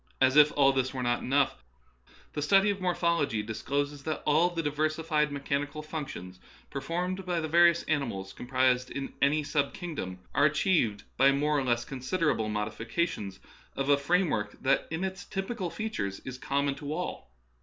As if all this were not enough, the study of morphology discloses that all the diversified mechanical func tions performed by the various animals comprised in any sub kingdom are achieved by more or less considerable modifications of a framework that in its typical features is common .to all.